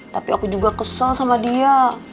tapi aku juga kesal sama dia